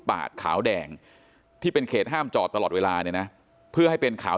ปาดขาวแดงที่เป็นเขตห้ามจอดตลอดเวลาเนี่ยนะเพื่อให้เป็นขาว